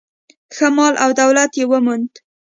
ښه مال او دولت یې وموند.